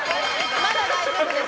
まだ大丈夫です。